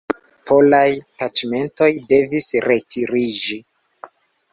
Polaj taĉmentoj devis retiriĝi.